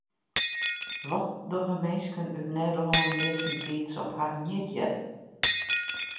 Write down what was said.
Wat dogge minsken út Nederlân meastentiids op harren jierdei?